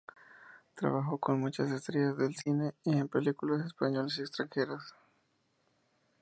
Trabajó con muchas estrellas del cine en películas españolas y extranjeras.